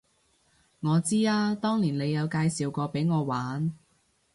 我知啊，當年你有介紹過畀我玩